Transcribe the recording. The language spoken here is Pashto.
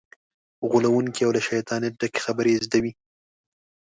غولونکې او له شیطانت ډکې خبرې یې زده وي.